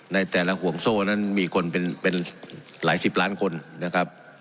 ในแต่ละห่วงโซ่นั้นมีคนเป็นหลายสิบล้านคนนะครับ